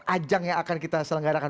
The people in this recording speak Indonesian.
ajang yang akan kita selenggarakan